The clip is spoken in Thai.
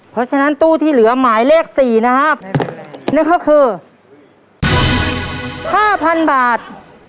เพราะฉะนั้นตู้ที่เหลือหมายเลข๔นะครับนั่นก็คือ๕๐๐๐บาท